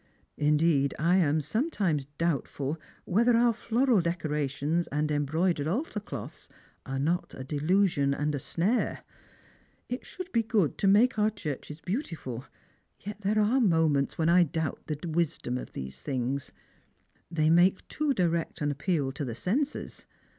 Indeed, I am sometimes doubtful whetlif our floral decorations and embroidered altar cloths are not a dekisicn and a snare. It should be good to make our churchis beautiful: yet there are moments when I doubt the witdom of these things They make too direct an appeal to the senses.